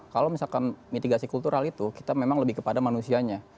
kalau misalkan mitigasi kultural itu kita memang lebih kepada manusianya